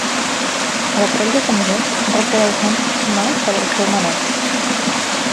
L'aparell de ganivet requereix menys personal per al seu maneig.